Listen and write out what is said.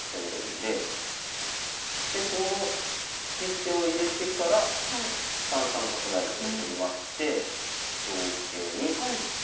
でこの突き捨てを入れてから３三角成と取りまして同桂に。